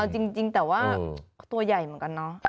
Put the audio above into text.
จริงแต่ว่าตัวใหญ่เหมือนกันเนอะ